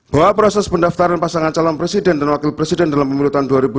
bahwa proses pendaftaran pasangan calon presiden dan wakil presiden dalam pemilu